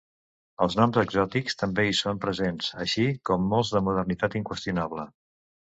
Els noms exòtics també hi són presents, així com molts de modernitat inqüestionable.